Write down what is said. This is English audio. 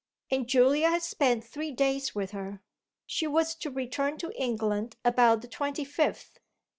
and Julia had spent three days with her. She was to return to England about the twenty fifth.